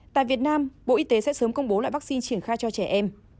tại việt nam bộ y tế sẽ sớm công bố loại vaccine triển khai cho trẻ em